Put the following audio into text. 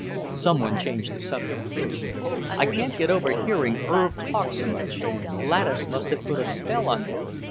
Some one changed the subject. "I can't get over hearing Irv talk so much. Gladys must have put a spell on him."